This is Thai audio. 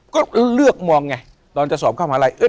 ก็เลือกมองไงตอนจะสอบเข้ามหาลัย